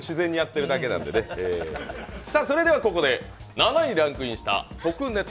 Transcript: それではここで７位にランクインした特ネタ